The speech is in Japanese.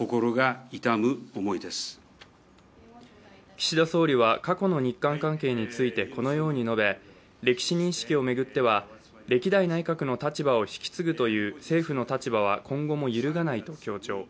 岸田総理は過去の日韓関係についてこのように述べ、歴史認識を巡っては、歴代内閣の立場を引き継ぐという政府の立場は、今後も揺るがないと強調。